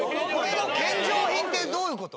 献上品ってどういうこと？